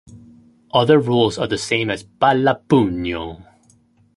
Other rules are the same as pallapugno.